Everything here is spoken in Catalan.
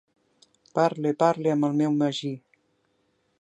Parle... parle amb el meu magí.